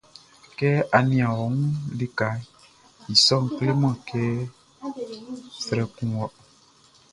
Sɛ a nian ɔ wun likaʼn, i sɔʼn kleman kɛ srɛ kun wɔ.